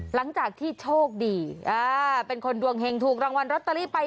หลังจากที่โชคดีเป็นคนดวงเห็งถูกรางวัลลอตเตอรี่ไป